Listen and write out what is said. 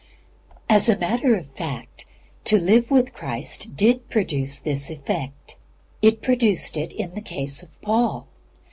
As a matter of fact, to live with Christ did produce this effect. It produced it in the case of Paul.